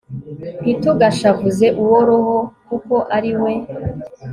ntitugashavuze uwo roho, kuko ari we